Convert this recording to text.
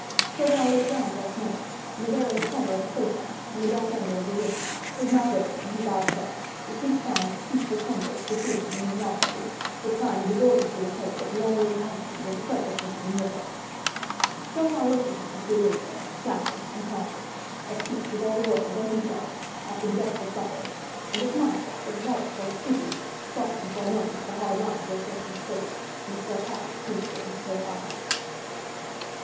Chauvelin looked round once more, and there in the corner of a sofa, in the dark angle of the room, his mouth open, his eyes shut, the sweet sounds of peaceful slumbers proceeding from his nostrils, reclined the gorgeously apparelled, long limbed husband of the cleverest woman in Europe. Chauvelin looked at him as he lay there, placid, unconscious, at peace with all the world and himself, after the best of suppers, and a smile, that was almost one of pity, softened for a moment the hard lines of the Frenchman's face and the sarcastic twinkle of his pale eyes.